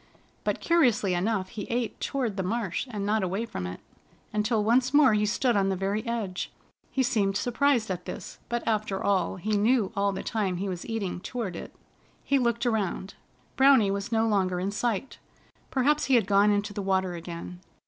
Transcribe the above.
But curiously enough he ate toward the marsh, and not away from it, until once more he stood on the very edge. He seemed surprised at this, but after all he knew all the time he was eating toward it. He looked around. Browny was no longer in sight. Perhaps he had gone into the water again.